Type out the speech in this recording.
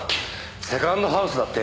セカンドハウスだってよ。